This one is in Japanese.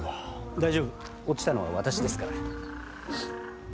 大丈夫落ちたのは私ですから。